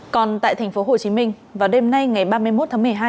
còn tại thành phố hồ chí minh vào đêm nay ngày ba mươi một tháng một mươi hai